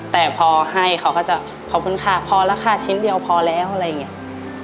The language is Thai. แต่พอให้เขาก็จะขอบคุณค่ะพอแล้วค่ะชิ้นเดียวพอแล้วอะไรอย่างนี้